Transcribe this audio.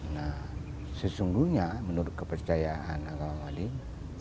nah sesungguhnya menurut kepercayaan agama ini